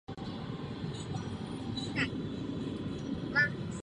Tato borovice je hospodářsky velmi významným druhem.